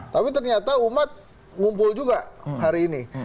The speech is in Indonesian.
tapi ternyata umat ngumpul juga hari ini